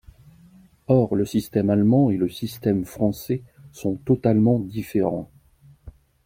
Or, le système allemand et le système français sont totalement différents.